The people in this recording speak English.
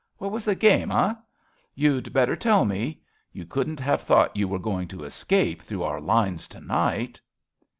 What was the game, eh ? You'd better tell me. You couldn't have thought you were going to escape through our lines to night.